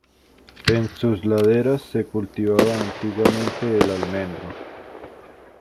En sus laderas se cultivaba antiguamente el almendro.